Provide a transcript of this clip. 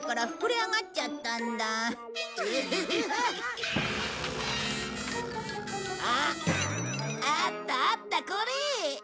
あったあったこれ！